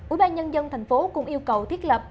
ủy ban nhân dân thành phố cũng yêu cầu thiết lập